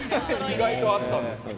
意外とあったんですね。